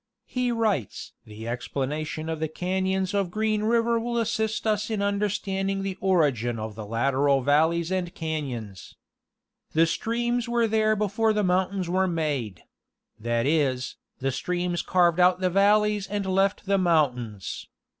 He writes: "the explanation of the cafions of Green river will assist us in understanding the origin of the lateral valleys and cafions. The streams were there before the moun tains were made—that is, the streams carved out the valleys and left the mountains.